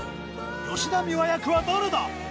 吉田美和役は誰だ？